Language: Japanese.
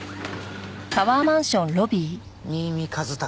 新見一隆。